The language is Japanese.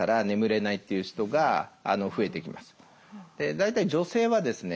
大体女性はですね